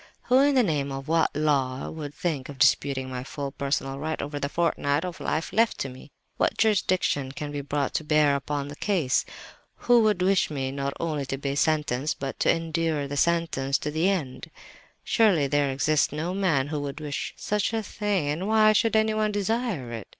"Who, in the name of what Law, would think of disputing my full personal right over the fortnight of life left to me? What jurisdiction can be brought to bear upon the case? Who would wish me, not only to be sentenced, but to endure the sentence to the end? Surely there exists no man who would wish such a thing—why should anyone desire it?